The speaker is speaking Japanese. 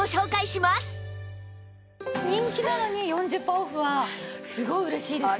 人気なのに４０パーオフはすごい嬉しいですよね。